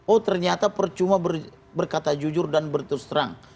oh ternyata percuma berkata jujur dan berterus terang